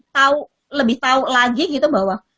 tau lebih tau lagi gitu bahwa